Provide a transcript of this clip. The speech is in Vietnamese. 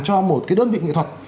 cho một cái đơn vị nghệ thuật